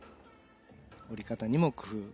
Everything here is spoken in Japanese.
降り方にも工夫。